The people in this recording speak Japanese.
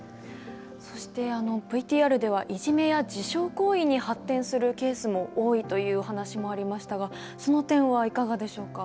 そしてＶＴＲではいじめや自傷行為に発展するケースも多いというお話もありましたがその点はいかがでしょうか？